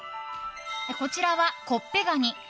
こちらはコッペガニ。